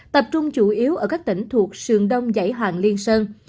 tập trung chủ yếu ở các tỉnh thuộc sườn đông giải hoàng liên sơn